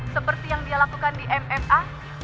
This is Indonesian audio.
seperti yang dia lakukan di mma